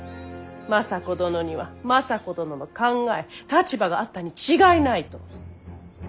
政子殿には政子殿の考え立場があったに違いないと。